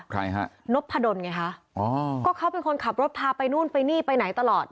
ใครฮะนพดลไงคะอ๋อก็เขาเป็นคนขับรถพาไปนู่นไปนี่ไปไหนตลอด